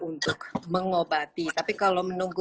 untuk mengobati tapi kalau menunggu